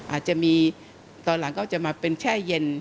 อาจจะมีตอนหลังก็จะมาเป็นแช่เย็น